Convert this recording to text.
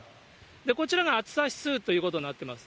こちらが暑さ指数ということになってます。